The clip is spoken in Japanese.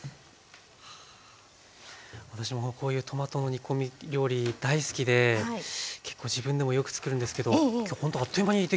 私もこういうトマトの煮込み料理大好きで結構自分でもよくつくるんですけど今日ほんとあっという間にできますね。